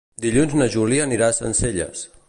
Dilluns na Júlia anirà a Sencelles.